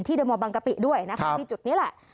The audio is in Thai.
ที่เดอร์มอร์บังกะปิด้วยนะคะมีจุดนี้แหละครับ